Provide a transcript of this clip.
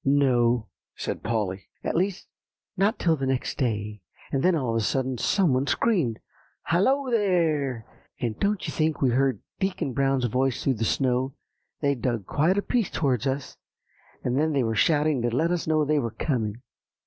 "No," said Polly; "at least not till the next day. And then all of a sudden some one screamed, 'Hallo, there!' and don't you think we heard Deacon Brown's voice through the snow; they'd dug quite a piece towards us, and they were shouting to let us know they were coming."